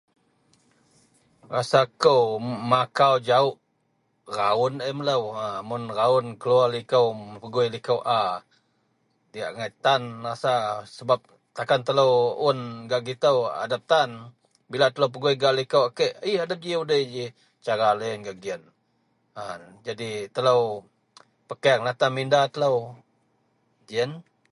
rasa kou makau jauh, raun laie melou a, mun raun keluar liko, bak pegui liko a diyak agai tan rasa sebab takan telou un gak gitou adep tan, bila telou pegui gak liko a kek eh adep ji udei ji cara deloyien gak gien, jadi telou pekanglah tan minda telou ji ien